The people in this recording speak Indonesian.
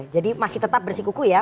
jadi masih tetap bersikuku ya